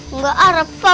enggak ah rafa